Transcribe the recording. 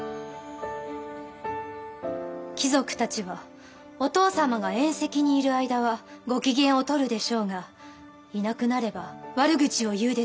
貴族たちはお父様が宴席にいる間はご機嫌を取るでしょうがいなくなれば悪口を言うでしょう。